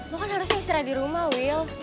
lu kan harusnya istirahat di rumah wil